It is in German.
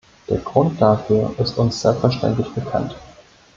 Der Grund dafür ist uns selbstverständlich bekannt.